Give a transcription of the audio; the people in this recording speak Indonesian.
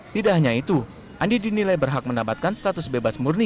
tidak hanya itu andi dinilai berhak mendapatkan status bebas murni